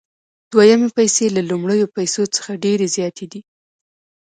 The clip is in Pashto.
دویمې پیسې له لومړیو پیسو څخه ډېرې زیاتې دي